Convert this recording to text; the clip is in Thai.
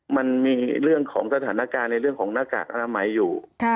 มันมีเรื่องของสถานการณ์เรื่องของนักการไหมอยู่